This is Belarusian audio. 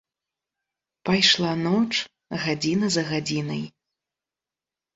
Пайшла ноч, гадзіна за гадзінай.